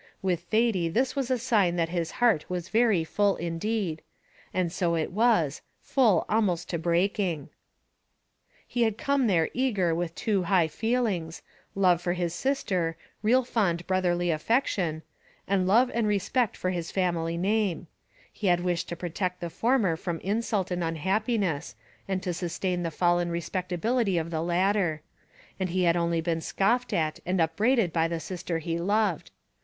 With Thady this was a sign that his heart was very full indeed; and so it was, full almost to breaking. He had come there eager with two high feelings, love for his sister, real fond brotherly affection, and love and respect for his family name; he had wished to protect the former from insult and unhappiness, and to sustain the fallen respectability of the latter; and he had only been scoffed at and upbraided by the sister he loved.